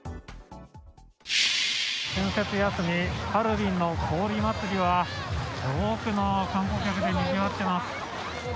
春節休み、ハルビンの氷祭りは、多くの観光客でにぎわってます。